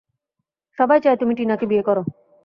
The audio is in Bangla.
সবাই চায় তুমি টিনাকে বিয়ে করো।